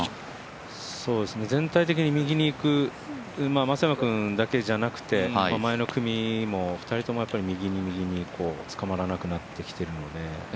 全体的に右に行く、松山君だけじゃなくて前の組も２人とも、右に右に捕まらなくなってきているので。